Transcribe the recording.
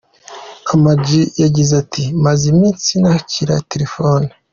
Ama G yagize ati "maze iminsi nakira telefoni.